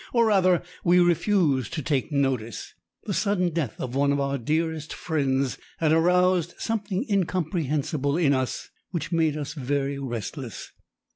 Or rather, we refused to take notice. The sudden death of one of our dearest friends had aroused something incomprehensible in us which made us very restless.